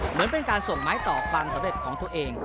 เหมือนเป็นการส่งไม้ต่อความสำเร็จของตัวเอง